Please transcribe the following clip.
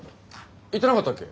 言ってなかったっけ？